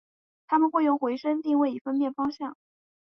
它们会用回声定位以分辨方向。